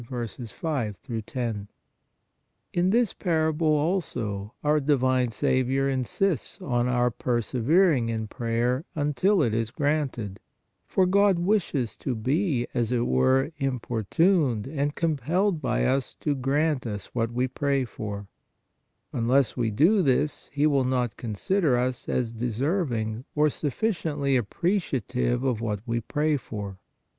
g IO>, In this parable also our divine Saviour insists on TWO PARABLES 113 our persevering in prayer until it is granted, for God wishes to be, as it were, importuned and com pelled by us to grant us what we pray for; unless we do this, He will not consider us as deserving or sufficiently appreciative of what we pray for.